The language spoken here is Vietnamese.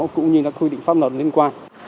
cũng như là quy định pháp luật liên quan